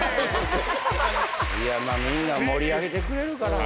みんな盛り上げてくれるから。